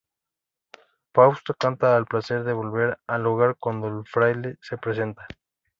Fausto canta el placer de volver al hogar cuando el fraile se presenta.